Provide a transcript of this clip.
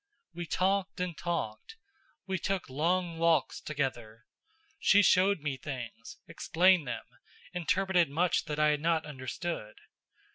We talked and talked. We took long walks together. She showed me things, explained them, interpreted much that I had not understood.